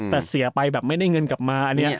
แต่เสียไปแบบไม่ได้เงินกลับมาอันนี้